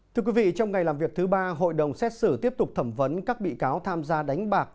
thưa quý vị trong ngày làm việc thứ ba hội đồng xét xử tiếp tục thẩm vấn các bị cáo tham gia đánh bạc